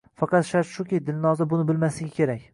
Faqat shart shuki, Dilnoza buni bilmasligi kerak